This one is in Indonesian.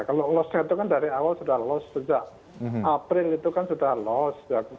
kalau lossnya itu kan dari awal sudah lost sejak april itu kan sudah loss